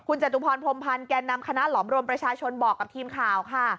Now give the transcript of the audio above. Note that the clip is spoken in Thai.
จตุพรพรมพันธ์แก่นำคณะหลอมรวมประชาชนบอกกับทีมข่าวค่ะ